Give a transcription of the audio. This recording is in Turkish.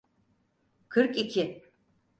Kırk iki.